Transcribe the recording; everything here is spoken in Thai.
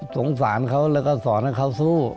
สงสารเขาแล้วก็สอนให้เขาสู้